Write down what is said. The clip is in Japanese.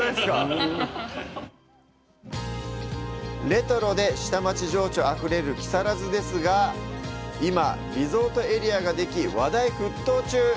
レトロで下町情緒あふれる木更津ですが、今、リゾートエリアができ、話題沸騰中。